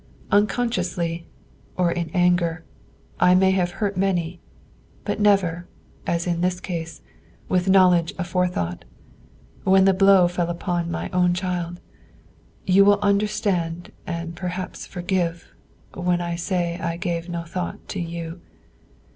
Unconsciously, or in anger, I may have hurt many, but never, as in this case, with knowledge aforethought, when the blow fell upon my own child. You will understand, and perhaps forgive, when I say I gave no thought to you.